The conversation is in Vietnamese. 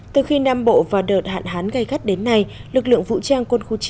từ khi nam bộ vào đợt hạn hán gây gắt đến nay lực lượng vũ trang quân khu chín